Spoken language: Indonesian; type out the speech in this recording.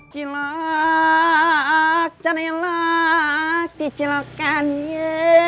cilok cilok dicilokkan ya